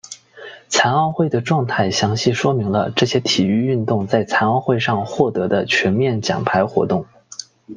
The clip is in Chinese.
残奥会的状态详细说明了这些体育运动在残奥会上获得的全面奖牌活动。